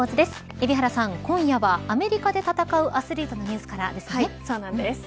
海老原さん、今夜はアメリカで戦うアスリートのはい、そうなんです。